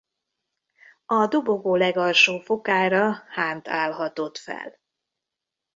A dobogó legalsó fokára Hunt állhatott fel.